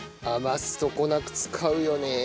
余すとこなく使うよね。